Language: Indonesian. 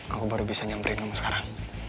aku baru bisa nyamperin sama sekarang